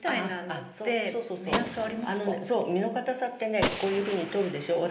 あのねそう実のかたさってねこういうふうに取るでしょう？